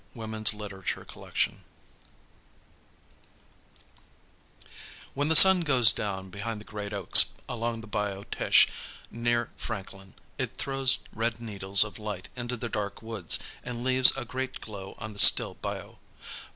WHEN THE BAYOU OVERFLOWS When the sun goes down behind the great oaks along the Bayou Teche near Franklin, it throws red needles of light into the dark woods, and leaves a great glow on the still bayou.